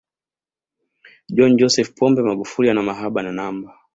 john joseph pombe magufuli ana mahaba na namba